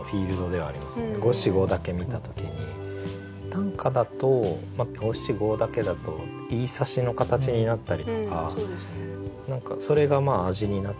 短歌だと五七五だけだと言いさしの形になったりとか何かそれがまあ味になったりもする。